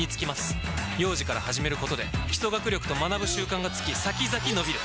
幼児から始めることで基礎学力と学ぶ習慣がつき先々のびる！